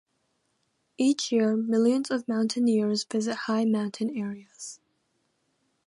Each year, millions of mountaineers visit high-mountain areas.